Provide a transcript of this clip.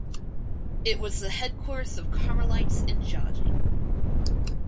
It was the headquarters of Carmelites in Jiaxing.